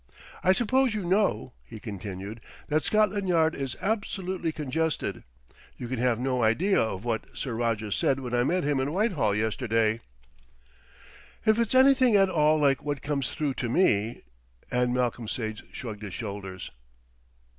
"I suppose you know," he continued, "that Scotland Yard is absolutely congested. You can have no idea of what Sir Roger said when I met him in Whitehall yesterday." "If it's anything at all like what comes through to me " and Malcolm Sage shrugged his shoulders.